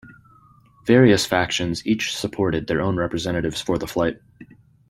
Various factions each supported their own representatives for the flight.